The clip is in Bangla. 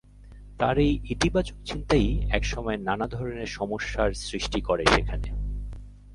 তার এই ইতিবাচক চিন্তাই একসময় নানা ধরনের সমস্যার সৃষ্টি করে সেখানে।